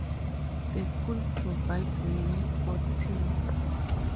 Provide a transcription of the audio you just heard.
The School provides many sport teams.